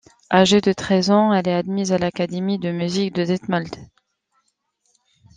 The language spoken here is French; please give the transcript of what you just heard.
Âgée de treize ans, elle est admise à l'académie de musique de Detmold.